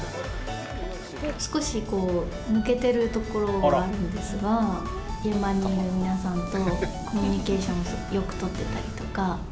少しこう、抜けてるところがあるんですが、現場にいる皆さんとコミュニケーションをよく取ってたりとか。